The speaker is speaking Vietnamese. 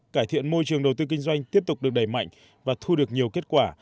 cải thiện môi trường đầu tư kinh doanh tiếp tục được đẩy mạnh và thu được nhiều kết quả